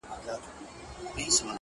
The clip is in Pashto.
خپه سو!! صرف يو غاړه چي هم ور نه کړله!!